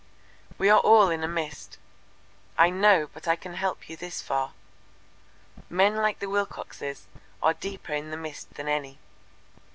"We are all in a mist I know but I can help you this far men like the Wilcoxes are deeper in the mist than any.